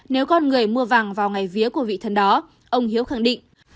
nếu con người mua vàng vào ngày vía của vị thần đó ông hiếu khẳng định